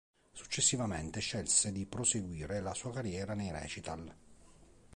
Successivamente scelse di proseguire la sua carriera nei recital.